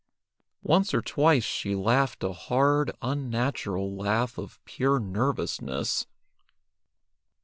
Once or twice she laughed a hard, unnatural laugh of pure nervousness.